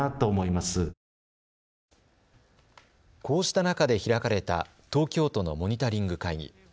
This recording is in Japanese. こうした中で開かれた東京都のモニタリング会議。